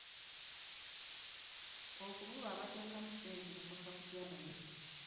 Okubulwa abateekamu ssente kukosa kutya abayizi?